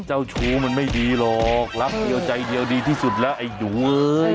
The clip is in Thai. เจ้าชู้มันไม่ดีหรอกรักเดียวใจเดียวดีที่สุดแล้วไอ้หนูเอ้ย